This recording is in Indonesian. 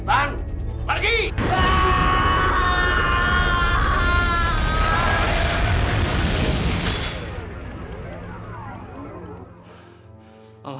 tidak ada gunanya lagi